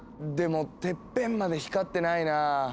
でもてっぺんまで光ってないな。